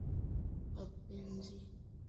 wapenzi wa miti Inaruhusu wanasayansi kuchora